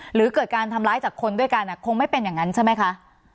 หรือเกิดการทำร้ายจากคนด้วยกันคงไม่เป็นอย่างนั้นใช่ไหมคะ